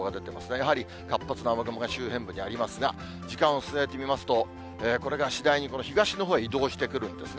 やはり活発な雨雲が周辺部にありますが、時間を進めてみますと、これが次第にこれ、東のほうへ移動してくるんですね。